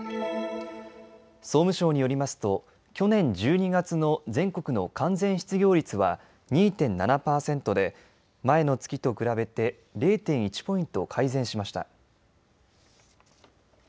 総務省によりますと去年１２月の全国の完全失業率は２．７％で前の月と比べて０．１ポイント改善しました。